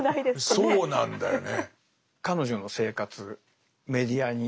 そうなんだよね。